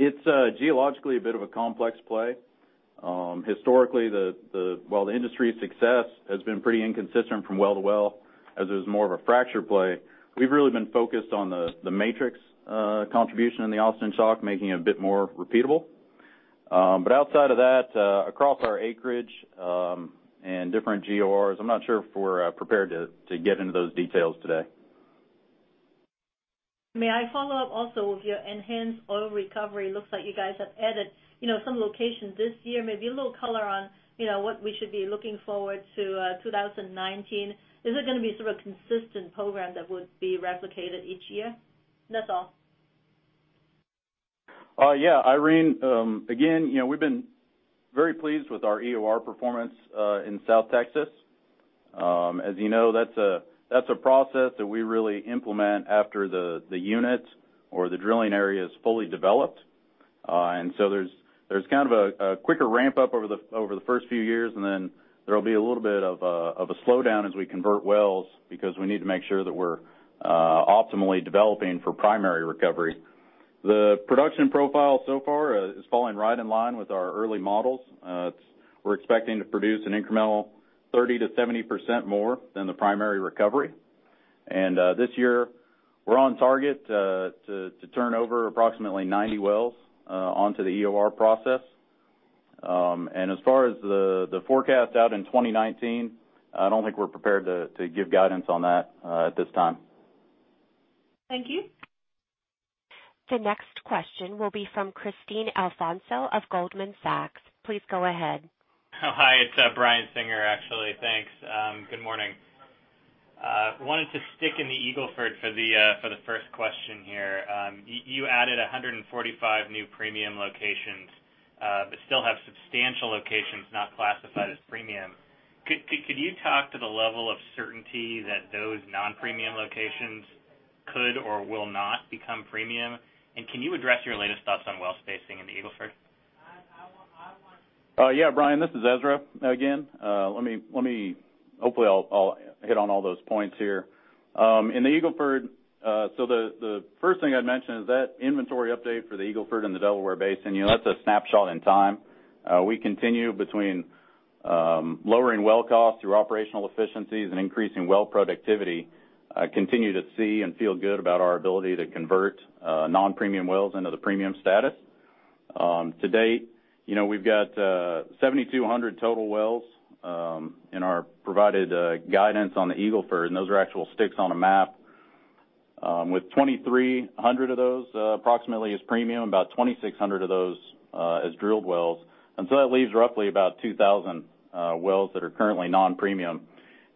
it's geologically a bit of a complex play. Historically, while the industry's success has been pretty inconsistent from well to well, as it is more of a fracture play, we've really been focused on the matrix contribution in the Austin Chalk, making it a bit more repeatable. Outside of that, across our acreage, and different GORs, I'm not sure if we're prepared to get into those details today. May I follow up also with your enhanced oil recovery? Looks like you guys have added some locations this year. A little color on what we should be looking forward to 2019. Is it going to be sort of a consistent program that would be replicated each year? That's all. Irene, again, we've been very pleased with our EOR performance in South Texas. As you know, that's a process that we really implement after the units or the drilling area is fully developed. There's kind of a quicker ramp-up over the first few years, and then there'll be a little bit of a slowdown as we convert wells, because we need to make sure that we're optimally developing for primary recovery. The production profile so far is falling right in line with our early models. We're expecting to produce an incremental 30%-70% more than the primary recovery. This year, we're on target to turn over approximately 90 wells onto the EOR process. As far as the forecast out in 2019, I don't think we're prepared to give guidance on that at this time. Thank you. The next question will be from Christine Alfonso of Goldman Sachs. Please go ahead. Oh, hi. It is Brian Singer, actually. Thanks. Good morning. Wanted to stick in the Eagle Ford for the first question here. You added 145 new premium locations, still have substantial locations not classified as premium. Could you talk to the level of certainty that those non-premium locations could or will not become premium? Can you address your latest thoughts on well spacing in the Eagle Ford? Yeah. Brian, this is Ezra again. Hopefully I will hit on all those points here. In the Eagle Ford, the first thing I would mention is that inventory update for the Eagle Ford and the Delaware Basin, that is a snapshot in time. We continue between lowering well costs through operational efficiencies and increasing well productivity, continue to see and feel good about our ability to convert non-premium wells into the premium status. To date, we have got 7,200 total wells in our provided guidance on the Eagle Ford, and those are actual sticks on a map. With 2,300 of those approximately as premium, about 2,600 of those as drilled wells. That leaves roughly about 2,000 wells that are currently non-premium.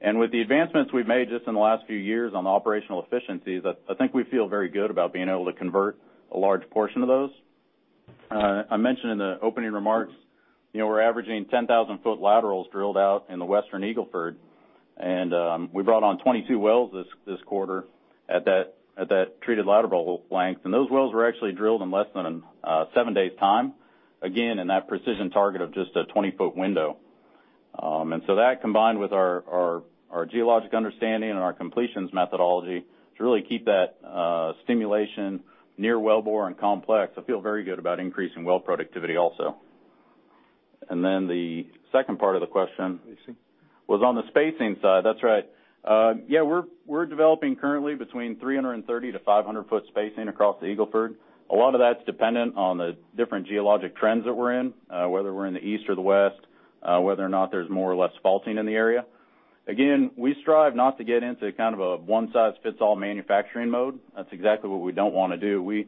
With the advancements we have made just in the last few years on operational efficiencies, I think we feel very good about being able to convert a large portion of those. I mentioned in the opening remarks, we are averaging 10,000-foot laterals drilled out in the Western Eagle Ford, we brought on 22 wells this quarter at that treated lateral length. Those wells were actually drilled in less than seven days' time, again, in that precision target of just a 20-foot window. That combined with our geologic understanding and our completions methodology to really keep that stimulation near wellbore and complex, I feel very good about increasing well productivity also. The second part of the question was on the spacing side. That is right. Yeah, we are developing currently between 330 to 500-foot spacing across the Eagle Ford. A lot of that's dependent on the different geologic trends that we're in, whether we're in the east or the west, whether or not there's more or less faulting in the area. Again, we strive not to get into a one-size-fits-all manufacturing mode. That's exactly what we don't want to do. We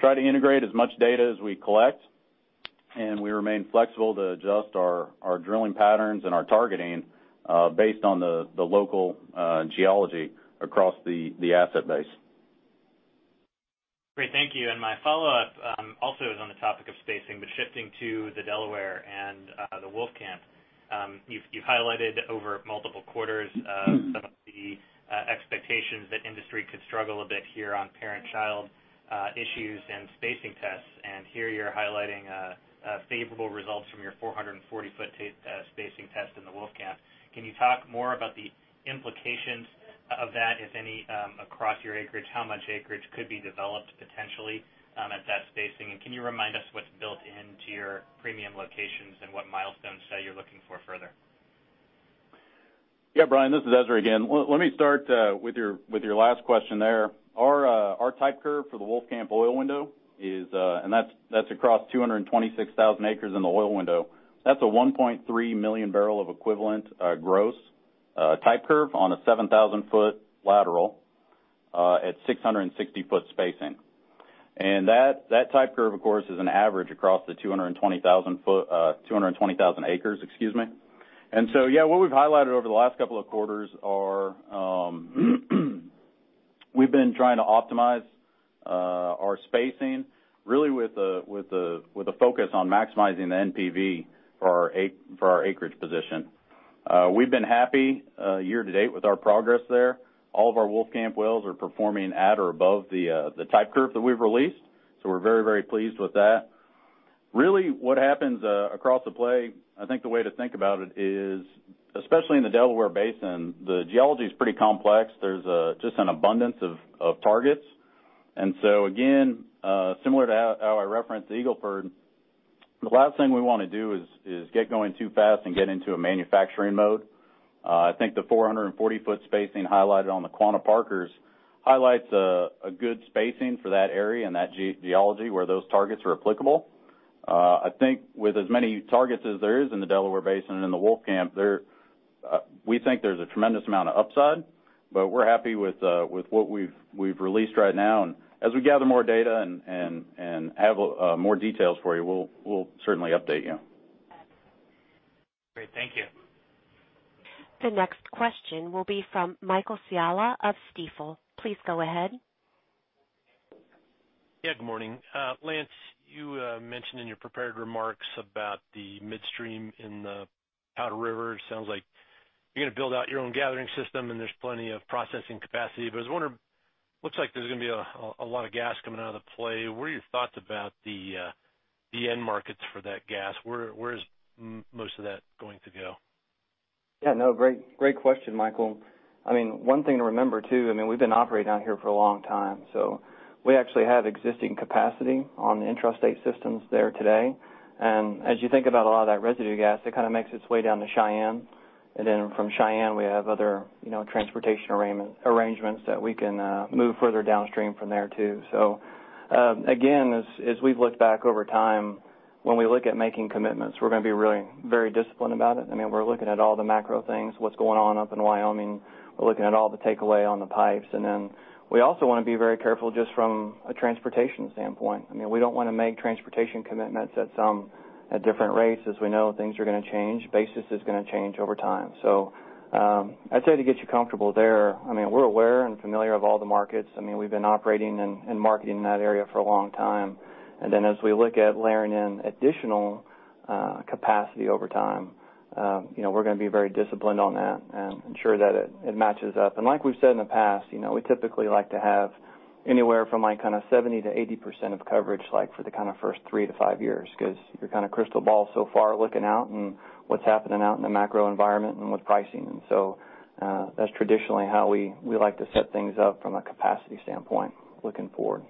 try to integrate as much data as we collect, and we remain flexible to adjust our drilling patterns and our targeting based on the local geology across the asset base. Great. Thank you. My follow-up also is on the topic of spacing, but shifting to the Delaware and the Wolfcamp. You've highlighted over multiple quarters some of the expectations that industry could struggle a bit here on parent-child issues and spacing tests. Here you're highlighting favorable results from your 440-foot spacing test in the Wolfcamp. Can you talk more about the implications of that, if any, across your acreage? How much acreage could be developed potentially at that spacing? Can you remind us what's built into your premium locations and what milestones that you're looking for further? Yeah, Brian, this is Ezra again. Let me start with your last question there. Our type curve for the Wolfcamp Oil Window is, that's across 226,000 acres in the Oil Window. That's a 1.3 million barrel of equivalent gross type curve on a 7,000-foot lateral at 660-foot spacing. That type curve, of course, is an average across the 220,000 acres, excuse me. What we've highlighted over the last couple of quarters are we've been trying to optimize our spacing really with a focus on maximizing the NPV for our acreage position. We've been happy year to date with our progress there. All of our Wolfcamp wells are performing at or above the type curve that we've released. We're very pleased with that. Really what happens across the play, I think the way to think about it is, especially in the Delaware Basin, the geology's pretty complex. There's just an abundance of targets. Again, similar to how I referenced the Eagle Ford, the last thing we want to do is get going too fast and get into a manufacturing mode. I think the 440-foot spacing highlighted on the Quanah Parkers highlights a good spacing for that area and that geology where those targets are applicable. I think with as many targets as there is in the Delaware Basin and in the Wolfcamp, we think there's a tremendous amount of upside, but we're happy with what we've released right now. As we gather more data and have more details for you, we'll certainly update you. Great. Thank you. The next question will be from Michael Scialla of Stifel. Please go ahead. Yeah. Good morning. Lance, you mentioned in your prepared remarks about the midstream in the Powder River. Sounds like you're going to build out your own gathering system. There's plenty of processing capacity. I was wondering, looks like there's going to be a lot of gas coming out of the play. What are your thoughts about the end markets for that gas? Where is most of that going to go? Yeah, no, great question, Michael. One thing to remember, too, we've been operating out here for a long time. We actually have existing capacity on the intrastate systems there today. As you think about a lot of that residue gas, it makes its way down to Cheyenne. From Cheyenne, we have other transportation arrangements that we can move further downstream from there too. Again, as we've looked back over time, when we look at making commitments, we're going to be really very disciplined about it. We're looking at all the macro things, what's going on up in Wyoming. We're looking at all the takeaway on the pipes. We also want to be very careful just from a transportation standpoint. We don't want to make transportation commitments at different rates. As we know, things are going to change. Basis is going to change over time. I'd say to get you comfortable there, we're aware and familiar of all the markets. We've been operating and marketing in that area for a long time. As we look at layering in additional capacity over time, we're going to be very disciplined on that and ensure that it matches up. Like we've said in the past, we typically like to have anywhere from 70%-80% of coverage for the first three to five years, because your crystal ball so far looking out and what's happening out in the macro environment and with pricing. That's traditionally how we like to set things up from a capacity standpoint looking forward.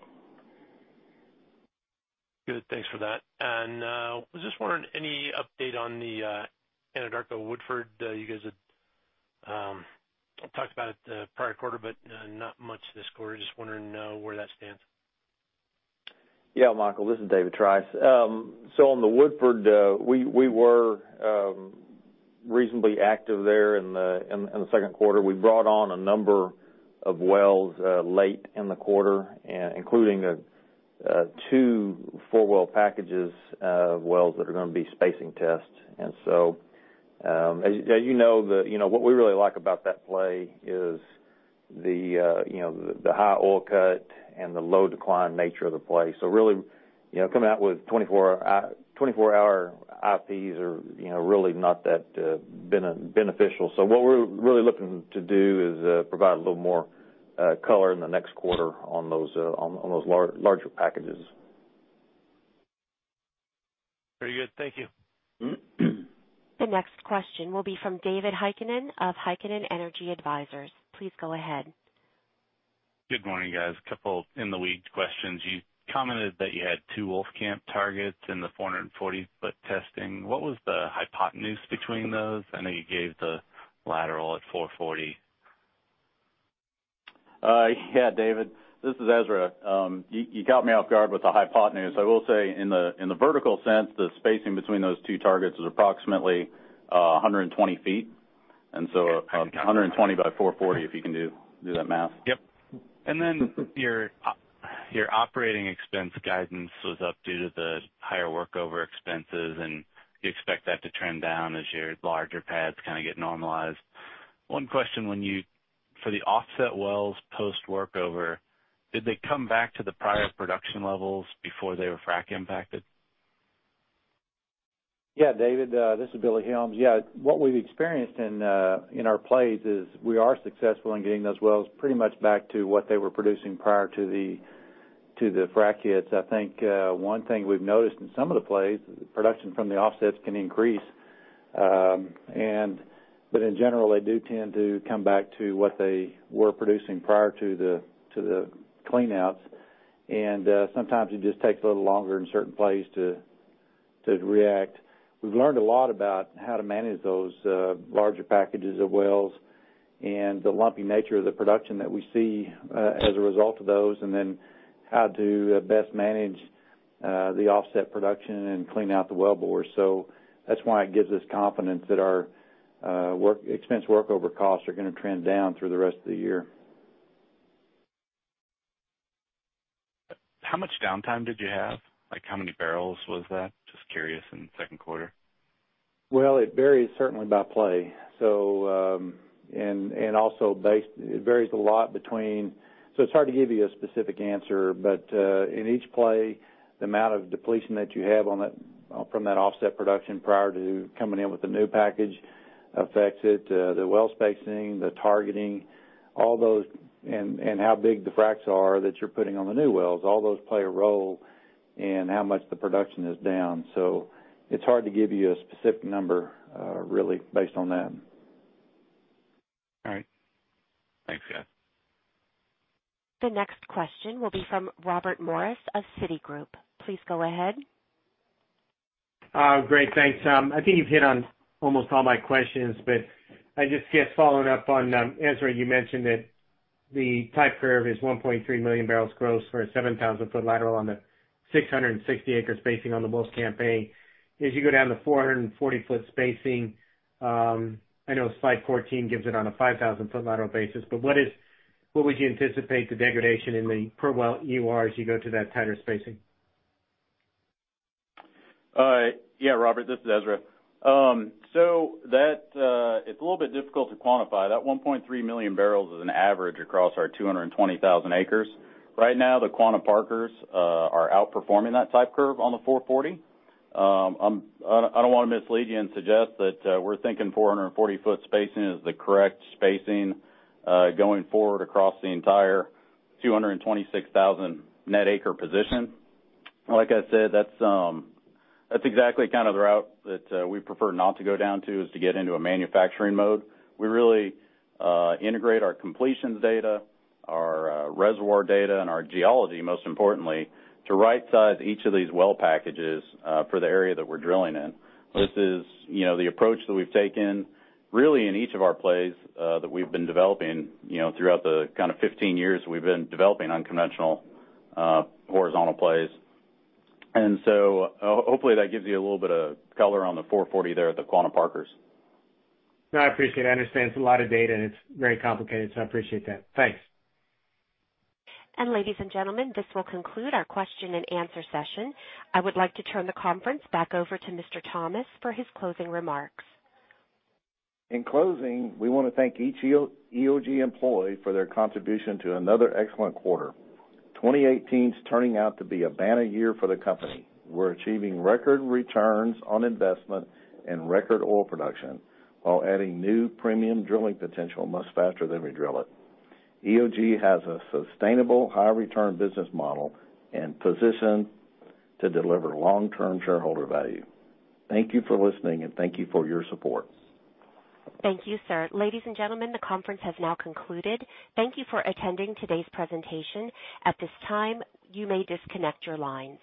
Good. Thanks for that. I was just wondering, any update on the Anadarko Woodford? You guys had talked about it the prior quarter, but not much this quarter. Just wondering where that stands. Michael, this is David Trice. On the Woodford, we were reasonably active there in the second quarter. We brought on a number of wells late in the quarter, including two four-well packages of wells that are going to be spacing tests. What we really like about that play is the high oil cut and the low decline nature of the play. Really, coming out with 24-hour IPs are really not that beneficial. What we're really looking to do is provide a little more color in the next quarter on those larger packages. Very good. Thank you. The next question will be from David Heikkinen of Heikkinen Energy Advisors. Please go ahead. Good morning, guys. A couple in the weed questions. You commented that you had two Wolfcamp targets in the 440-foot testing. What was the hypotenuse between those? I know you gave the lateral at 440. Yeah, David, this is Ezra. You caught me off guard with the hypotenuse. I will say in the vertical sense, the spacing between those two targets is approximately 120 feet, 120 by 440, if you can do that math. Yep. Your operating expense guidance was up due to the higher workover expenses, and you expect that to trend down as your larger pads get normalized. One question, for the offset wells post workover, did they come back to the prior production levels before they were frac impacted? David, this is Billy Helms. What we've experienced in our plays is we are successful in getting those wells pretty much back to what they were producing prior to the frac hits. I think one thing we've noticed in some of the plays, production from the offsets can increase. In general, they do tend to come back to what they were producing prior to the clean outs, and sometimes it just takes a little longer in certain plays to react. We've learned a lot about how to manage those larger packages of wells and the lumpy nature of the production that we see as a result of those, and then how to best manage the offset production and clean out the well bores. That's why it gives us confidence that our expense workover costs are going to trend down through the rest of the year. How much downtime did you have? How many barrels was that? Just curious, in the second quarter. Well, it varies certainly by play. It's hard to give you a specific answer, in each play, the amount of depletion that you have from that offset production prior to coming in with the new package affects it. The well spacing, the targeting, and how big the fracs are that you're putting on the new wells, all those play a role in how much the production is down. It's hard to give you a specific number, really, based on that. All right. Thanks, guys. The next question will be from Robert Morris of Citigroup. Please go ahead. Great. Thanks. I think you've hit on almost all my questions, but I just guess following up on, Ezra, you mentioned that the type curve is 1.3 million barrels gross for a 7,000-foot lateral on the 660-spacing on the Wolfcamp A. As you go down to 440-foot spacing, I know slide 14 gives it on a 5,000-foot lateral basis, but what would you anticipate the degradation in the per well EUR as you go to that tighter spacing? Yeah, Robert, this is Ezra. It's a little bit difficult to quantify. That 1.3 million barrels is an average across our 220,000 acres. Right now, the Quanah Parkers are outperforming that type curve on the 440. I don't want to mislead you and suggest that we're thinking 440-foot spacing is the correct spacing going forward across the entire 226,000 net acre position. Like I said, that's exactly the route that we prefer not to go down to, is to get into a manufacturing mode. We really integrate our completions data, our reservoir data, and our geology, most importantly, to right size each of these well packages for the area that we're drilling in. This is the approach that we've taken, really in each of our plays that we've been developing throughout the 15 years we've been developing unconventional horizontal plays. Hopefully that gives you a little bit of color on the 440 there at the Quanah Parkers. No, I appreciate it. I understand it's a lot of data and it's very complicated, I appreciate that. Thanks. Ladies and gentlemen, this will conclude our question and answer session. I would like to turn the conference back over to Mr. Thomas for his closing remarks. In closing, we want to thank each EOG employee for their contribution to another excellent quarter. 2018's turning out to be a banner year for the company. We're achieving record returns on investment and record oil production while adding new premium drilling potential much faster than we drill it. EOG has a sustainable high return business model and position to deliver long-term shareholder value. Thank you for listening, and thank you for your support. Thank you, sir. Ladies and gentlemen, the conference has now concluded. Thank you for attending today's presentation. At this time, you may disconnect your lines.